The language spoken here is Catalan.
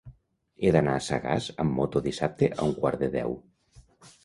He d'anar a Sagàs amb moto dissabte a un quart de deu.